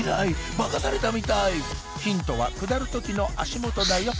化かされたみたいヒントは下る時の足元だよ